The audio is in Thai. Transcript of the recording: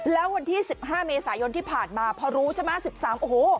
แล้ววันที่สิบห้าเมษายนที่ผ่านมาพอรู้ใช่ไหมสิบสามโอ้โห